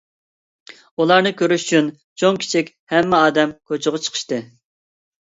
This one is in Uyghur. ئۇلارنى كۆرۈش ئۈچۈن چوڭ - كىچىك ھەممە ئادەم كوچىغا چىقىشتى.